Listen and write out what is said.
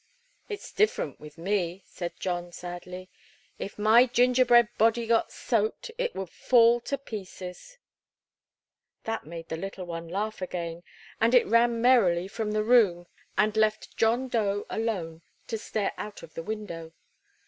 "It's different with me," said John, sadly. "If my gingerbread body got soaked it would fall to pieces." [Illustration: "HELLO, NEIGHBOR"] That made the little one laugh again, and it ran merrily from the room and left John Dough alone to stare out of the window.